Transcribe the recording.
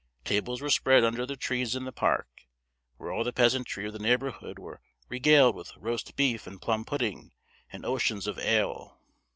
Tables were spread under the trees in the park, where all the peasantry of the neighbourhood were regaled with roast beef and plum pudding, and oceans of ale.